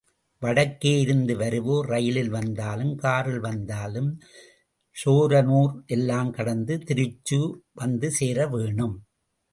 வடக்கே இருந்து வருவோர் ரயிலில் வந்தாலும் காரில் வந்தாலும் ஷோரனூர் எல்லாம் கடந்து திருச்சூர் வந்து சேர வேணும்.